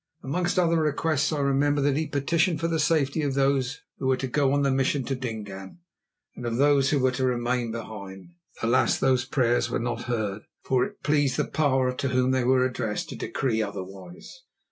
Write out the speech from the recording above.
Amongst other requests, I remember that he petitioned for the safety of those who were to go on the mission to Dingaan and of those who were to remain behind. Alas! those prayers were not heard, for it pleased the Power to Whom they were addressed to decree otherwise.